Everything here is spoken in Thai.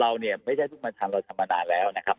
แล้วเราไม่ใช่ทุกมันทางเราทำมานานแล้วนะครับ